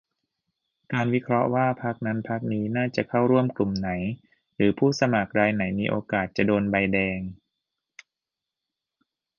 การวิเคราะห์ว่า พรรคนั้นพรรคนี้น่าจะเข้าร่วมกลุ่มไหน หรือผู้สมัครรายไหนมีโอกาสจะโดนใบแดง